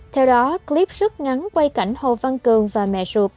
theo đó clip rút ngắn quay cảnh hồ văn cường và mẹ ruột